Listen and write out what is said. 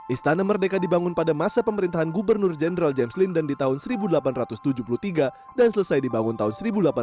istana merdeka dibangun pada masa pemerintahan gubernur jenderal james lindan di tahun seribu delapan ratus tujuh puluh tiga dan selesai dibangun tahun seribu delapan ratus enam puluh